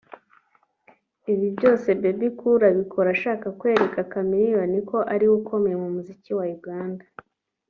Ibi byose Bebe Cool abikora ashaka kwereka Chameleone ko ari we ukomeye mu muziki wa Uganda